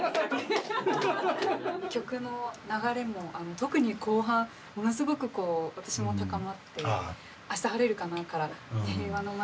曲の流れも特に後半ものすごくこう私も高まって「明日晴れるかな」から「平和の街」